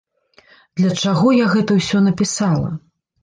Для чаго я гэта ўсё напісала?